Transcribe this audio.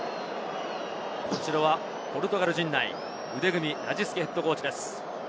こちらはポルトガル陣内、腕組み、ラジスケＨＣです。